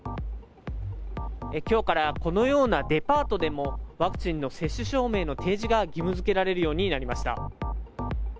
きょうから、このようなデパートでもワクチンの接種証明の提示が義務づけられるようになりました。